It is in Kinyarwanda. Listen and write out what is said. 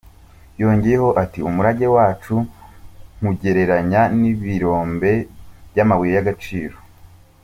Yongeyeho ati: “Umurage wacu nkugereranya n’ibirombe by’amabuye y’agaciro.